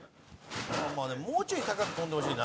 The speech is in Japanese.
もうちょい高く跳んでほしいな。